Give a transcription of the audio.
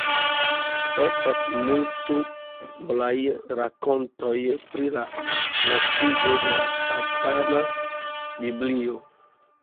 Estas multoblaj rakontoj pri la naskiĝo de "La Satana Biblio.